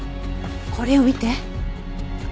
これを見て。